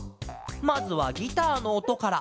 まずはギターのおとから。